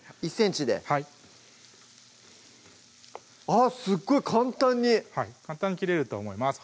１ｃｍではいあっすごい簡単に簡単に切れると思います